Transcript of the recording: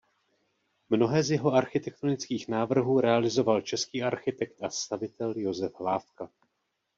Mnohé z jeho architektonických návrhů realizoval český architekt a stavitel Josef Hlávka.